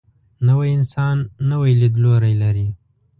نوی انسان نوی لیدلوری لري